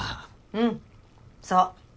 うんそう。